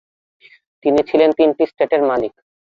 তিনি ছিলেন তিনটি স্টেটের মালিক।